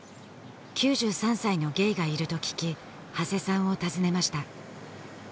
９３歳のゲイがいると聞き長谷さんを訪ねました